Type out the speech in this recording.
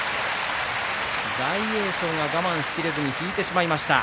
大栄翔が我慢できずに引いてしまいました。